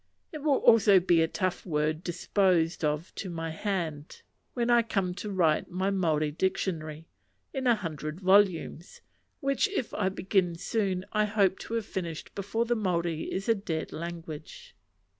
It will also be a tough word disposed of to my hand, when I come to write my Maori dictionary, in a hundred volumes; which, if I begin soon, I hope to have finished before the Maori is a dead language.